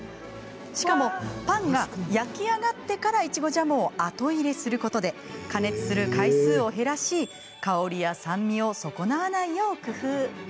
しかもパンが焼き上がってからいちごジャムを後入れすることで加熱する回数を減らし香りや酸味を損なわないよう工夫。